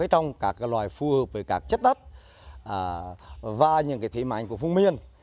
trong các loài phù hợp với các chất đất và những thế mạnh của phương miên